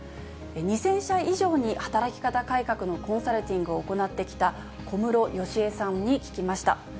２０００社以上に働き方改革のコンサルティングを行ってきた小室淑恵さんに聞きました。